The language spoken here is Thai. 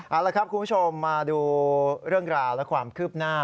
เอาละครับคุณผู้ชมมาดูเรื่องราวและความคืบหน้า